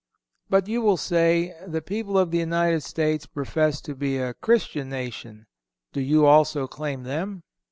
But you will say: The people of the United States profess to be a Christian nation. Do you also claim them?